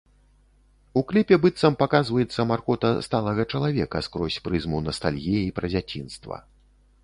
У кліпе быццам паказваецца маркота сталага чалавека, скрозь прызму настальгіі пра дзяцінства.